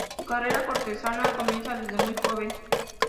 Su carrera cortesana comienza desde muy joven.